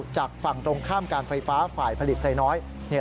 ฝั่งตรงข้ามการไฟฟ้าฝ่ายผลิตไซน้อย